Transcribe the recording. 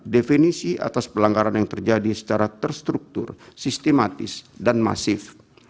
definisi atas pelanggaran yang terjadi secara terstruktur sistematis dan masif